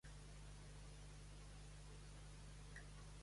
La seva era una família prominent del comtat de Greenbier.